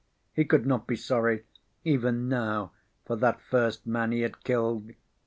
He could not be sorry, even now, for that first man he had killed.